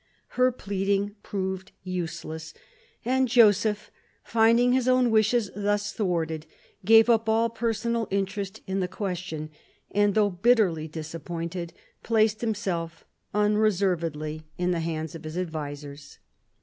Her pleading proved useless ; and Joseph, finding his own wishes thus thwarted, gave up all personal interest in the question, and, though bitterly disappointed, placed ' himself unreservedly in the hands of his advisers.